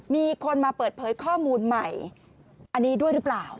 มีคนมาเปิดเผยข้อมูลใหม่อันนี้ด้วยหรือเปล่า